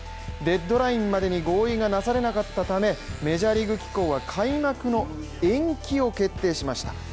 デッドラインまでに合意がなされなかったためメジャーリーグ機構は開幕の延期を決定しました。